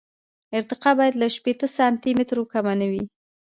ارتفاع باید له شپېته سانتي مترو کمه نه وي